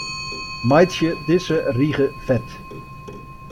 Meitsje dizze rige fet.